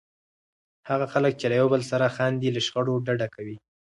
هغه خلک چې له یو بل سره خاندي، له شخړو ډډه کوي.